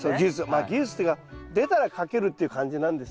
まあ技術っていうか出たらかけるっていう感じなんですけど。